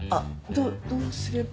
どっどうすれば。